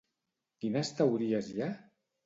Quines teories hi ha?